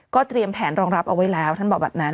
เตรียมแผนรองรับเอาไว้แล้วท่านบอกแบบนั้น